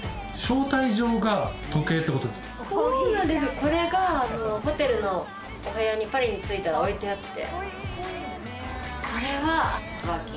これがホテルのお部屋に、パリに着いたら置いてあって。